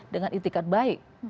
dengan itikat baik